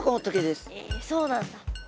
えそうなんだ。